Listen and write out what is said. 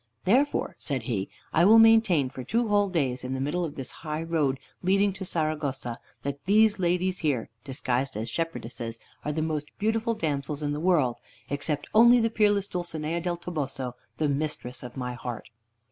"Therefore," said he, "I will maintain for two whole days, in the middle of this high road leading to Saragossa, that these ladies here, disguised as shepherdesses, are the most beautiful damsels in the world, except only the peerless Dulcinea del Toboso, the mistress of my heart."